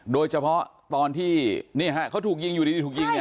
โดยเฉพาะตอนที่เขาถูกยิงอยู่ดีถูกยิงเนี่ย